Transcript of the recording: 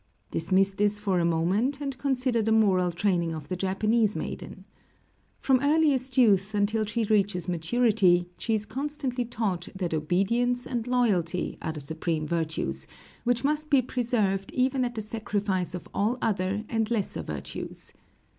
Dismiss this for a moment, and consider the moral training of the Japanese maiden. From earliest youth until she reaches maturity, she is constantly taught that obedience and loyalty are the supreme virtues, which must be preserved even at the sacrifice of all other and lesser virtues.